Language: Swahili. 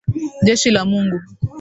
Jeshi la Mungu.